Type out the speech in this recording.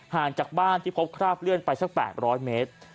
ห่างจากบ้านที่พบคราบเลื่อนไปสัก๘๐๐เมตร